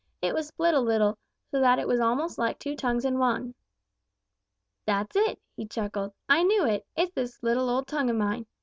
It was split a little, so that it was almost like two tongues in one. "'That's it,' he chuckled. 'I knew it. It's this little old tongue of mine.